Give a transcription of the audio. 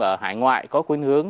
ở hải ngoại có quyền